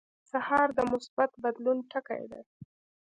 سهار د مثبت بدلون ټکي دي.